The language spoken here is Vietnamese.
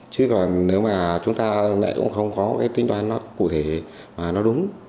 chứ còn nếu mà chúng ta lại cũng không có cái tính toán nó cụ thể mà nó đúng